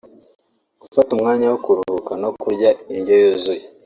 gufata umwanya wo kuruhuka no kurya indyo yuzuye